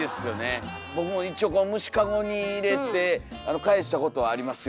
僕も一応虫かごに入れてかえしたことはありますよ。